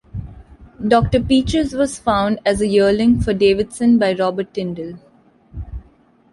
Doctor Peaches was found as a yearling for Davidson by Robert Tindle.